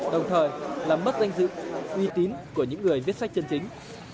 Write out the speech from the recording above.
đồng thời làm mất danh dự uy tín của những người viết sách chân chính